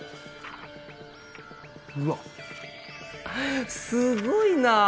うわすごいな。